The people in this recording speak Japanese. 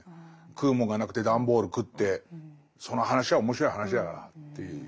食うもんがなくて段ボール食ってその話は面白い話だからっていう。